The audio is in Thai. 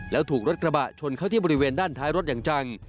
แล้วถูกรถกระบะชนเข้าที่บริเวณด้านท้ายรถอย่างจัง